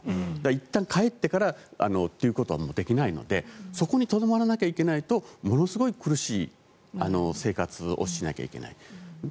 いったん帰ってからということはもうできないのでそこにとどまらなきゃいけないとものすごい苦しい生活をしなきゃいけない。